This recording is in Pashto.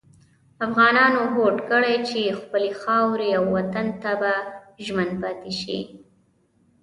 افغانانو هوډ کړی چې خپلې خاورې او وطن ته به ژمن پاتې کېږي.